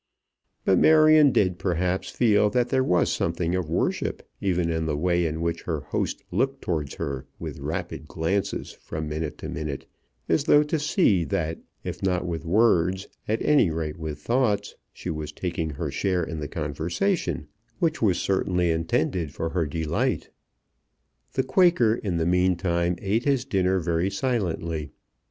But Marion did, perhaps, feel that there was something of worship even in the way in which her host looked towards her with rapid glances from minute to minute, as though to see that if not with words, at any rate with thoughts, she was taking her share in the conversation which was certainly intended for her delight. The Quaker in the mean time ate his dinner very silently.